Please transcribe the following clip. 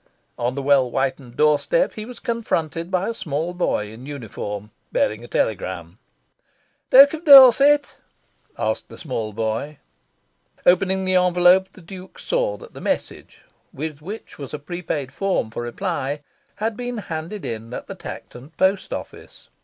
On the well whitened doorstep he was confronted by a small boy in uniform bearing a telegram. "Duke of Dorset?" asked the small boy. Opening the envelope, the Duke saw that the message, with which was a prepaid form for reply, had been handed in at the Tankerton post office.